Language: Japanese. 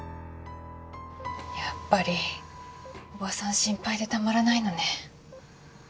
やっぱりおばさん心配でたまらないのね。